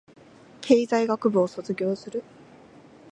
経済学部を卒業する